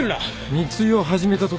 密輸を始めたとき？